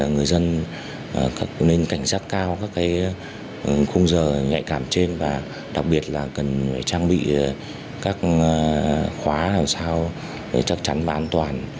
người dân nên cảnh giác cao các cái cung giờ nhạy cảm trên và đặc biệt là cần trang bị các khóa nào sao để chắc chắn và an toàn